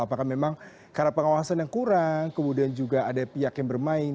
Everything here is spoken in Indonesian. apakah memang karena pengawasan yang kurang kemudian juga ada pihak yang bermain